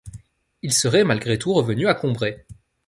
Il serait malgré tout revenu à Combray.